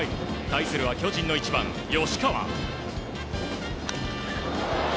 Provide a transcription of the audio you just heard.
対するは巨人の１番、吉川。